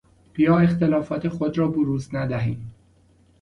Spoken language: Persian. بیا اختلافات خود را بروز ندهیم.